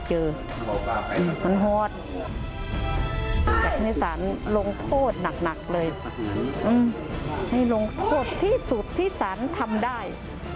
จากนิสันลงโทษหนักเลยไม่ลงโทษที่สุดที่สันทำได้